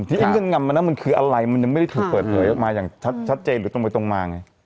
เงื่อนงำนั้นมันคืออะไรมันยังไม่ได้ถูกเปิดเผยออกมาอย่างชัดเจนหรือตรงไปตรงมาไง